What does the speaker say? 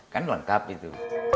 kan lengkap itu